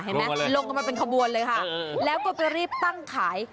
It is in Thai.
เห็นไหมลงมาเป็นขบวนเลยค่ะแล้วก็ไปรีบตั้งขาย